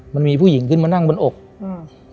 มันมีผู้หญิงขึ้นมานั่งบนอกอืม